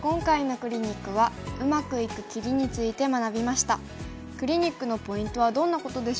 クリニックのポイントはどんなことでしょうか。